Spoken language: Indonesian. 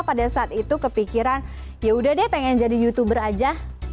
pada saat itu kepikiran yaudah deh pengen jadi youtuber aja